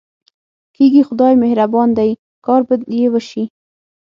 کېږي، خدای مهربانه دی، کار به یې وشي.